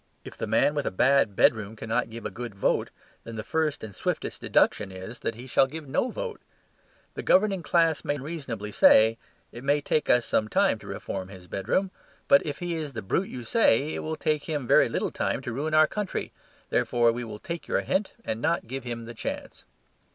If the man with a bad bedroom cannot give a good vote, then the first and swiftest deduction is that he shall give no vote. The governing class may not unreasonably say: "It may take us some time to reform his bedroom. But if he is the brute you say, it will take him very little time to ruin our country. Therefore we will take your hint and not give him the chance."